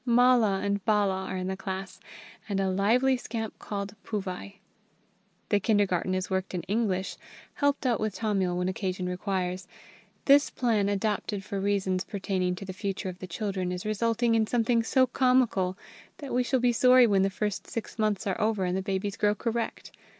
Mala and Bala are in the class, and a lively scamp called Puvai. The kindergarten is worked in English, helped out with Tamil when occasion requires. This plan, adopted for reasons pertaining to the future of the children, is resulting in something so comical that we shall be sorry when the first six months are over and the babies grow correct.